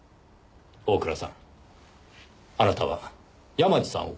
大倉さんあなたは山路さんを殺していません。